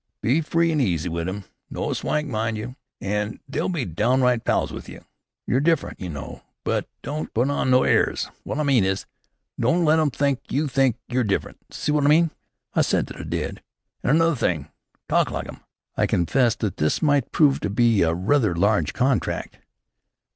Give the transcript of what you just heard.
Be free an' easy with 'em, no swank, mind you! an' they'll be downright pals with you. You're different, you know. But don't put on no airs. Wot I mean is, don't let 'em think that you think you're different. See wot I mean?" I said that I did. "An' another thing; talk like 'em." I confessed that this might prove to be rather a large contract.